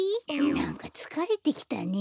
なんかつかれてきたね。